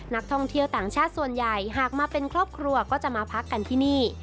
นักท่องเที่ยวต่างชาติส่วนใหญ่หากมาเป็นครอบครัวก็จะมาพักกันที่นี่